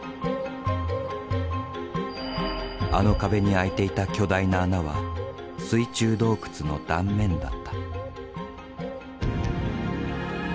あの壁に開いていた巨大な穴は水中洞窟の断面だった。